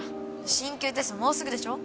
進級テストもうすぐでしょ？